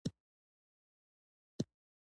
پښتو زموږ ژبه ده او زه ډیره مینه ورسره لرم